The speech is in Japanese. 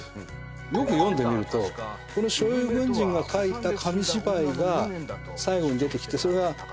よく読んでみるとこの傷痍軍人が描いた紙芝居が最後に出てきてそれが『墓場鬼太郎』だった。